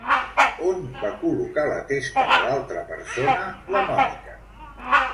On va col·locar la testa de l'altra persona, la Mònica?